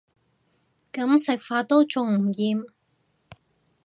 噉食法都仲唔厭